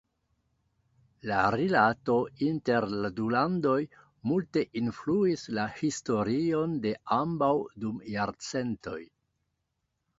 La rilato inter la du landoj multe influis la historion de ambaŭ dum jarcentoj.